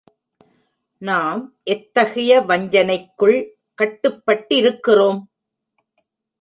நாம் எத்தகைய வஞ்சனைக்குள் கட்டுப்பட்டிருக்கிறோம்?